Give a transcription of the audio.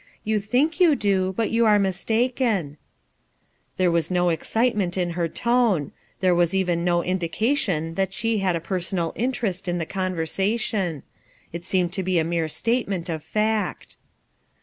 You think you do, but you arc mi fJ^ There was no excitement in her tone there was even no indication that she had a personal interest in the conversation; it seemed to be a mere statement of fact.